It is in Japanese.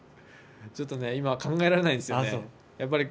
ちょっと今考えられないですよね。